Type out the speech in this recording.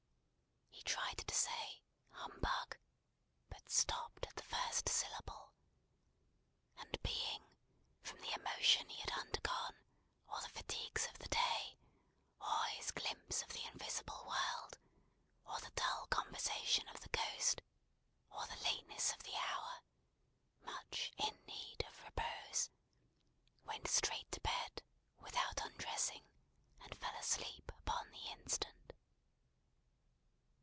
He tried to say "Humbug!" but stopped at the first syllable. And being, from the emotion he had undergone, or the fatigues of the day, or his glimpse of the Invisible World, or the dull conversation of the Ghost, or the lateness of the hour, much in need of repose; went straight to bed, without undressing, and fell asleep upon the instant.